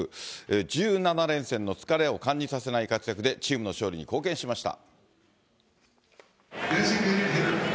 １７連戦の疲れを感じさせない活躍で、チームの勝利に貢献しました。